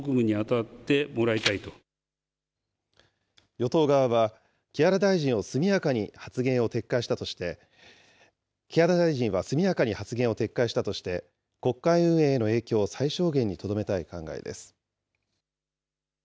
与党側は、木原大臣を速やかに発言を撤回したとして、木原大臣は速やかに発言を撤回したとして、国会運営への影響を最小限にとどめたい考えです。